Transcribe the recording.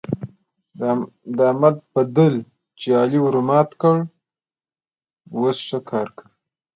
د احمد پدل چې علي ورمات کړ؛ اوس ښه کار کوي.